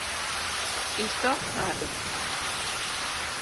Iso kado